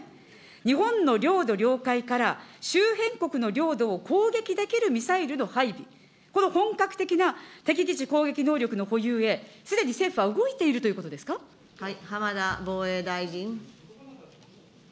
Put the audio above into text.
日本の領土・領海から周辺国の領土を攻撃できるミサイルの配備、この本格的な敵基地攻撃能力の保有へ、すでに政府は動いていると浜田防衛大臣。